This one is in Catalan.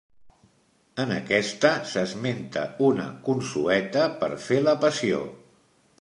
En aquest s'esmenta una consueta per fer la Passió.